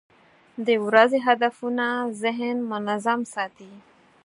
د ورځې هدفونه ذهن منظم ساتي.